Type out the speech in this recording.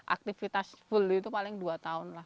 aktivitas full itu paling dua tahun lah